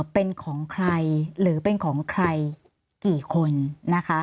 เป็นของใครหรือเป็นของใครกี่คนนะคะ